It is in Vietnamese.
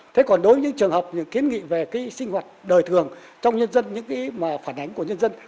thế còn đối với những trường hợp những kiến nghị về sinh hoạt đời thường trong nhân dân những phản ánh của nhân dân